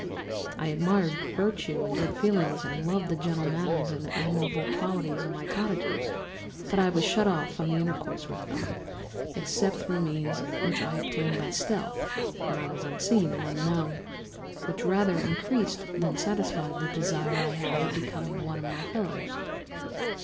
I admired virtue and good feelings and loved the gentle manners and amiable qualities of my cottagers, but I was shut out from intercourse with them, except through means which I obtained by stealth, when I was unseen and unknown, and which rather increased than satisfied the desire I had of becoming one among my fellows.